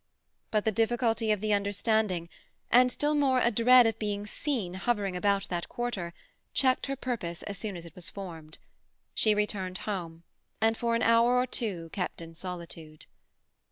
But the difficulty of the understanding, and, still more, a dread of being seen hovering about that quarter, checked her purpose as soon as it was formed. She returned home, and for an hour or two kept in solitude.